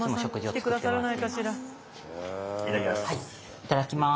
いただきます。